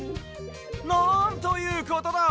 なんということだ！